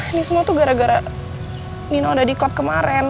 ini semua tuh gara gara nino udah di klub kemarin